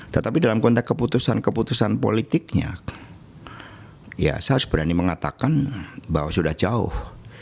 tetapi dalam konteks keputusan keputusan politiknya ya saya harus berani mengatakan bahwa sudah jauh